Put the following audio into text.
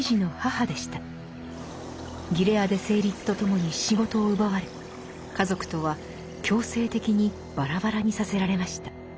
ギレアデ成立とともに仕事を奪われ家族とは強制的にバラバラにさせられました。